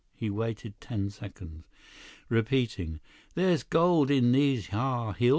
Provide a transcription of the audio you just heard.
He waited ten seconds. "Repeating.... There's gold in these hyar hills."